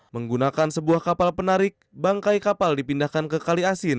menggunakan sebuah kapal penarik bangkai kapal dipindahkan ke kali asin